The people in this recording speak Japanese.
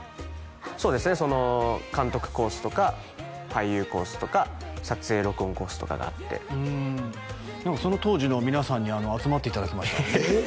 そうですねその監督コースとか俳優コースとか撮影・録音コースとかがあってうんその当時の皆さんに集まっていただきましたえっ？